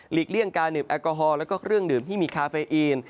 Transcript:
เลี่ยงการดื่มแอลกอฮอลแล้วก็เครื่องดื่มที่มีคาเฟอีน